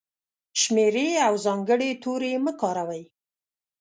شمېرې او ځانګړي توري مه کاروئ!.